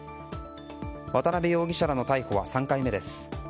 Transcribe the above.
渡辺容疑者らの逮捕は３回目です。